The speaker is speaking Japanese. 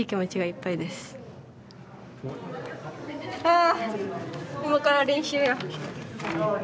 あ今から練習や。